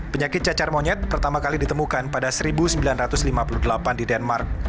penyakit cacar monyet pertama kali ditemukan pada seribu sembilan ratus lima puluh delapan di denmark